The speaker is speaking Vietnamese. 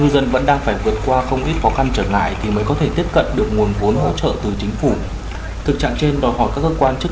xong qua quá trình triển khai